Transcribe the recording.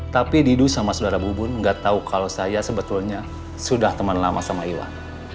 tapi didu sama sudara bubun gak tau kalau saya sebetulnya sudah temen lama sama iwan